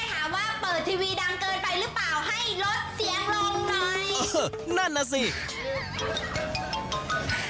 แม่ถามว่าเปิดทีวีดังเกินไปหรือเปล่าให้ลดเสียงลงหน่อย